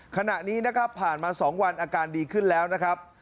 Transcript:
ขณะนี้นะครับผ่านมา๒วันอาการดีขึ้นแล้วนะครับ